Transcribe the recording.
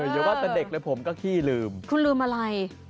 อย่าว่าแต่เด็กเลยผมก็ขี้ลืมคุณลืมอะไร